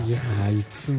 いつも。